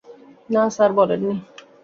না স্যার, বলেননি।